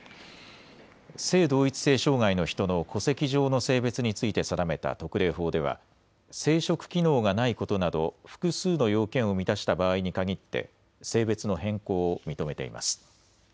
性同一性障害の人の戸籍上の性別について定めた特例法では生殖機能がないことなど複数の要件を満たした場合に限って性別の変更を認めています。